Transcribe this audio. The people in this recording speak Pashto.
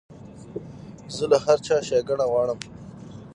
زه له هر چا ښېګڼه غواړم.